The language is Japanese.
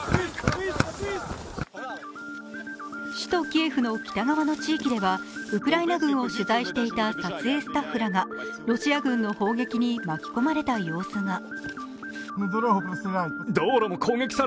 首都キエフの北側の地域ではウクライナ軍を取材していたスタッフらがロシア軍の砲撃に巻き込まれた様子が。